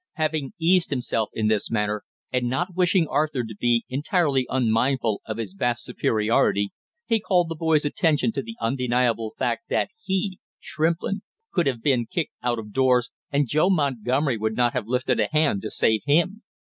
Having eased himself in this manner, and not wishing Arthur to be entirely unmindful of his vast superiority, he called the boy's attention to the undeniable fact that he, Shrimplin, could have been kicked out of doors and Joe Montgomery would not have lifted a hand to save him.